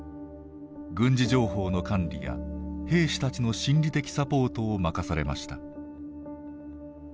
軍事情報の管理や兵士たちの心理的サポートを任されました。